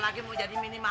jangan tebak wiz kuman